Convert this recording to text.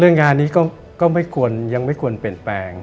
งานนี้ก็ไม่ควรยังไม่ควรเปลี่ยนแปลง